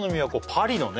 パリのね